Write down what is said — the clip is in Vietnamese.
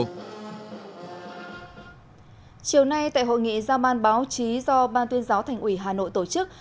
chiều nay tại hội nghị giao ban báo chí do ban tuyên giáo thành ủy hà nội tổ chức